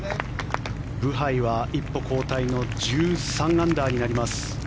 ブハイは一歩後退の１３アンダーになります。